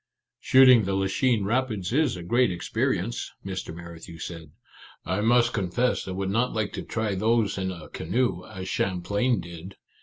" Shooting the Lachine Rapids is a great experience," Mr. Merrithew said. " I must confess I would not like to try those in a canoe, as Champlain did